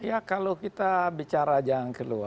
ya kalau kita bicara jangan keluar